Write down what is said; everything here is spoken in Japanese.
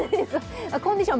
コンディション